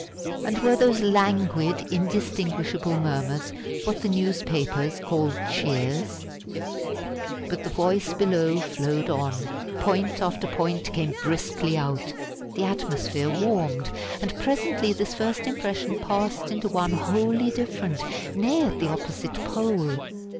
And were those languid, indistinguishable murmurs what the newspapers call "cheers"? But the voice below flowed on; point after point came briskly out; the atmosphere warmed; and presently this first impression passed into one wholly different nay, at the opposite pole.